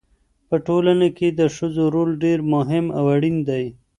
په ټولنه کې د ښځو رول ډېر مهم او اړین دی.